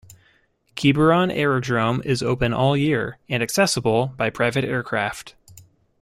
Quiberon Aerodrome is open all year and accessible by private aircraft.